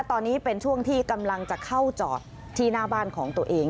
ตอนนี้เป็นช่วงที่กำลังจะเข้าจอดที่หน้าบ้านของตัวเอง